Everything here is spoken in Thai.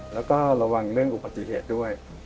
แล้วก็ระวังเรื่องอุบัติเหตุด้วย